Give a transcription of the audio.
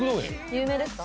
有名ですか？